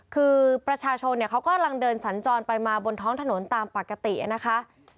คือประชาชนเขากำลังเดินสัญจรไปมาบนท้องถนนตามปกตินะคะ